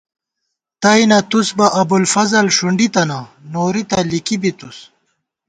تئ نہ تُس بہ ابُوالفضل ݭُنڈی تَنہ نوری تہ لِکِی بی تُس